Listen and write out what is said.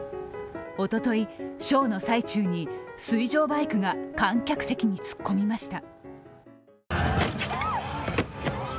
おととい、ショーの最中に水上バイクが観客席に突っ込みました。